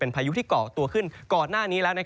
เป็นภายุที่กรอกตัวขึ้นก่อนหน้านี้แล้ว